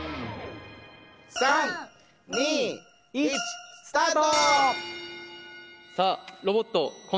３２１スタート！